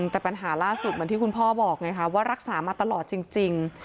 แต่ปัญหาล่าสุดเหมือนที่คุณพ่อบอกไงคะว่ารักษามาตลอดจริง